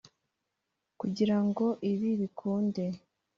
Kugira ngo ibi bikunde